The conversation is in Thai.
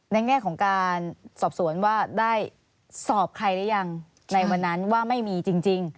แง่ของการสอบสวนว่าได้สอบใครหรือยังในวันนั้นว่าไม่มีจริง